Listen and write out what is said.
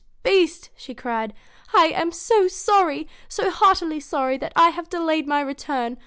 Beast!' she cried; 'I am so sorry! So heartily sorry that I have delayed my return.